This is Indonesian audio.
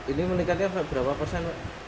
ini meningkatnya berapa persen